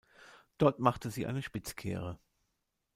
Dort machte sie eine Spitzkehre.